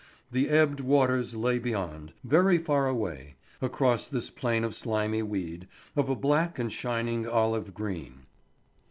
The ebbed waters lay beyond, very far away, across this plain of slimy weed, of a black and shining olive green.